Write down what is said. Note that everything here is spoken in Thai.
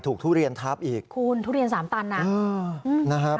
ทุเรียนทับอีกคุณทุเรียนสามตันอ่ะนะครับ